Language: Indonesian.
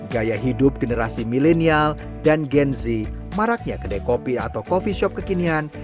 gaya hidup generasi milenial dan gen z maraknya kedai kopi atau coffee shop kekinian